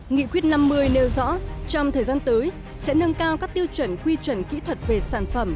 nghị quyết năm mươi nêu rõ trong thời gian tới sẽ nâng cao các tiêu chuẩn quy chuẩn kỹ thuật về sản phẩm